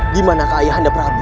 dimanakah ayah anda prabu